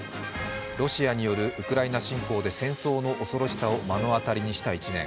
ロシアによるウクライナ侵攻で戦争の恐ろしさを目の当たりにした１年。